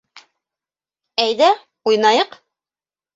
- Әйҙә, уйнайыҡ!